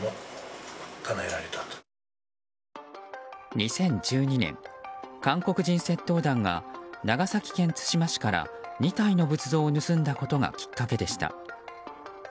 ２０１２年、韓国人窃盗団が長崎県対馬市から２体の仏像を盗んだことがきっかけでした。